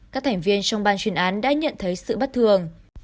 các thành viên trong ban chuyên án đã nhận thấy sự bất thường